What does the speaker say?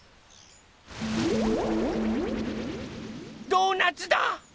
ドーナツだ！